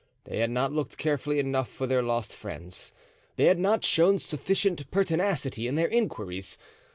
They had not looked carefully enough for their lost friends. They had not shown sufficient pertinacity in their inquiries.